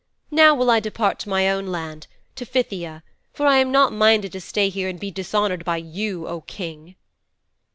Now will I depart to my own land, to Phthia, for I am not minded to stay here and be dishonoured by you, O King."'